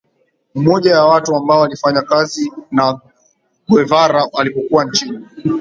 Mmoja ya watu ambao walifanya kazi na Guevara alipokuwa nchini